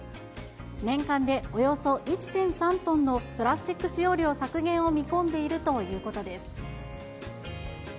年間でおよそ１．３トンのプラスチック使用量削減を見込んでいるということです。